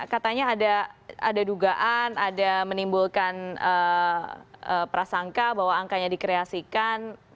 katanya ada dugaan ada menimbulkan prasangka bahwa angkanya dikreasikan